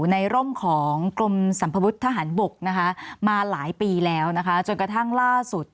ในร่มของกรมสัมพบุทธ์ทหารบกมาหลายปีแล้วจนกระทั่งล่าสุด